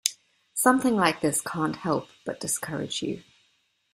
Something like this can't help but discourage you.